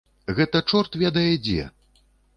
Гэта чорт ведае дзе!